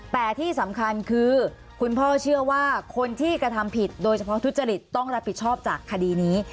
แต่ที่สำคัญคือคุณพ่อเชื่อว่าคนที่กระทำผิดโดยเฉพาะทุจริตต้องรับผิดชอบจากคดีนี้